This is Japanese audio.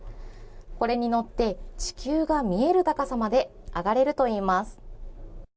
これに乗って地球が見える高さまで上がれるといいます。